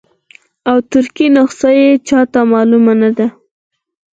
او ترکي نسخه یې چاته معلومه نه ده.